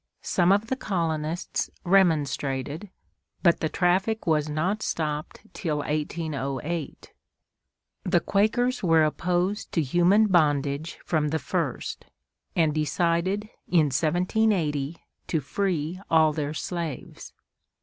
Some of the colonists remonstrated, but the traffic was not stopped till 1808. The Quakers were opposed to human bondage from the first, and decided, in 1780, to free all their slaves.